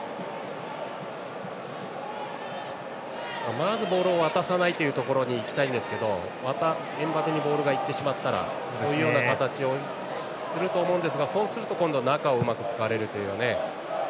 まずボールを渡さないというところまでいきたいんですがまた、エムバペにボールが行ってしまったらそういう形をすると思うんですがそうすると今度は中をうまく使われるという。